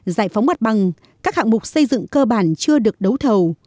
giải phóng mặt bằng các hạng mục xây dựng cơ bản chưa được đấu thầu